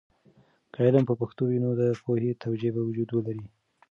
که علم په پښتو وي، نو د پوهې توجه به وجود ولري.